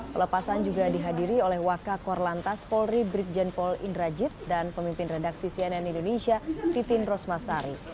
pelepasan juga dihadiri oleh waka korlantas polri brigjen pol indrajit dan pemimpin redaksi cnn indonesia titin rosmasari